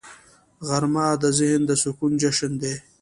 غرمه د ذهن د سکون جشن دی